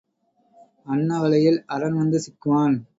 அன்ன வலையில் அரன் வந்து சிக்குவான்.